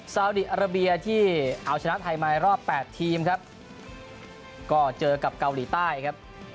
สาวดีอาราเบียที่เอาชนะไทยมายรอบ๘ทีมครับก็เจอกับเกาหลีใต้ครับ